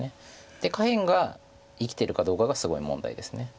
で下辺が生きてるかどうかがすごい問題です。